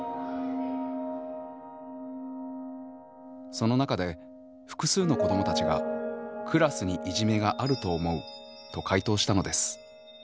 その中で複数の子どもたちが「クラスにいじめがあると思う」と回答したのです。